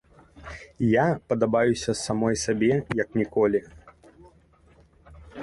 Я падабаюся самой сабе як ніколі.